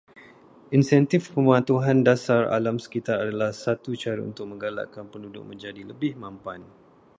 Insentif pematuhan dasar alam sekitar adalah satu cara untuk menggalakkan penduduk menjadi lebih mampan